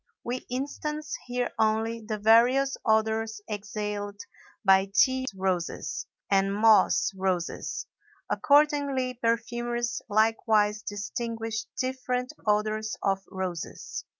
We instance here only the various odors exhaled by tea roses and moss roses. Accordingly, perfumers likewise distinguish different odors of roses.